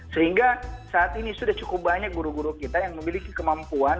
sehingga saat ini sudah cukup banyak guru guru kita yang memiliki kemampuan